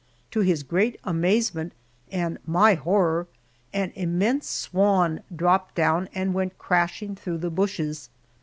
To his great amazement and my horror, an immense swan dropped down and went crashing through the bushes.